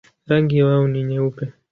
Rangi yao ni nyeupe.